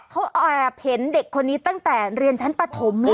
เขาแอบเห็นเด็กคนนี้ตั้งแต่เรียนชั้นปฐมเลย